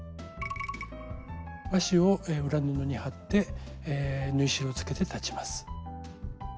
和紙を裏布に貼って縫い代をつけて裁ちます。